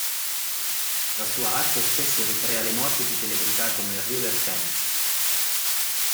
La sua arte spesso ricrea le morti di celebrità come River Phoenix.